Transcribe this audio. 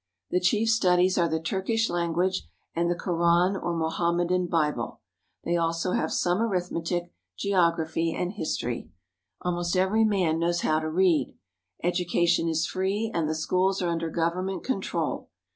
The chief studies are the Turkish language, and the Koran or Mohammedan A Barber. CARP. ASIA — 22 366 TRAVELS AMONG THE TURKS Bible; they also have some arithmetic, geography, and history. Almost every man knows how to read. Educa tion is free and the schools are under government control.